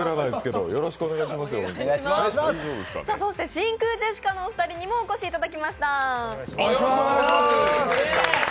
真空ジェシカの２人にもお越しいただきました。